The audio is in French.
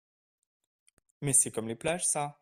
Mais c’est comme les plages, ça.